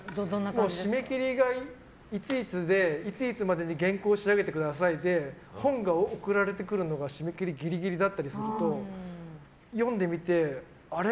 締め切りがいついつでいついつまでに原稿を仕上げてくださいと本が送られてくるのが締め切りギリギリだったりすると読んでみて、あれ？